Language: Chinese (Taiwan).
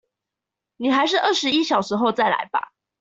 你還是二十一小時後再來吧